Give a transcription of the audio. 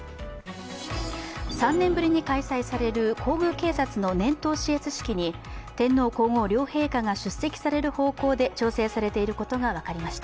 ３年ぶりに開催される皇宮警察の年頭視閲式に天皇皇后両陛下が出席される方向で調整されていることが分かりました。